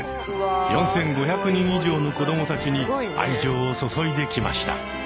４，５００人以上の子どもたちに愛情を注いできました。